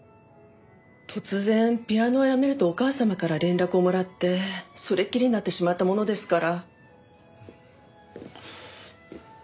突然ピアノをやめるとお母様から連絡をもらってそれっきりになってしまったものですから。